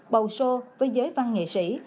bầu sô với giới văn nghệ sĩ